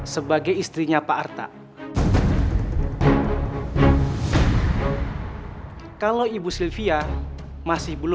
kan kamu yang kasih dia obat itu